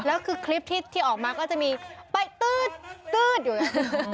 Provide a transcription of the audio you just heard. แล้วคือคลิปที่ออกมาก็จะมีไปตื๊ดอยู่อย่างนั้น